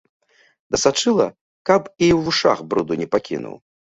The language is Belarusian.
Дасачыла, каб і ў вушах бруду не пакінуў.